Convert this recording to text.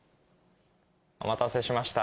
お待たせしました。